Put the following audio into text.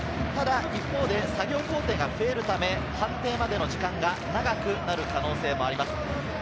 一方で作業工程が増えるため、判定までの時間が長くなる可能性があります。